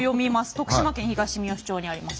徳島県東みよし町にあります